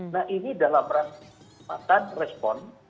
nah ini dalam rangka respon